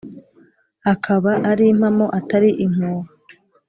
Akaba ari impamo atari impuha